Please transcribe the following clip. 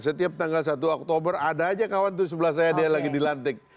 setiap tanggal satu oktober ada aja kawan tuh sebelah saya dia lagi dilantik